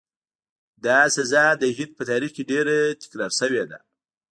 دا سزا د هند په تاریخ کې ډېره تکرار شوې ده.